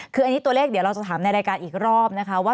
คืออันนี้ตัวเลขเดี๋ยวเราจะถามในรายการอีกรอบนะคะว่า